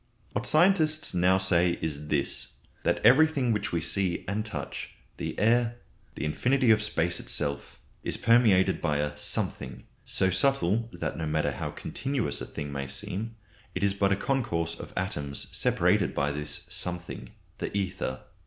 What scientists now say is this: that everything which we see and touch, the air, the infinity of space itself, is permeated by a something, so subtle that, no matter how continuous a thing may seem, it is but a concourse of atoms separated by this something, the Ether.